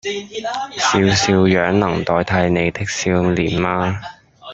笑笑樣能代替你的笑臉嗎